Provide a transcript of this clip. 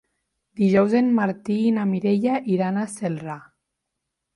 Dijous en Martí i na Mireia iran a Celrà.